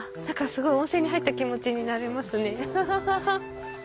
すごい温泉に入った気持ちになれますねハハハ。